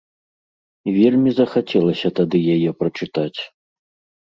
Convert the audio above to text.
Вельмі захацелася тады яе прачытаць.